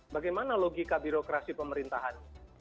bagaimana logika birokrasi pemerintahan